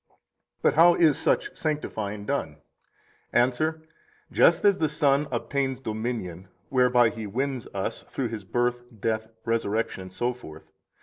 37 But how is such sanctifying done? Answer: Just as the Son obtains dominion, whereby He wins us, through His birth, death, resurrection, etc.